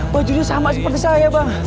bajunya sama seperti saya bang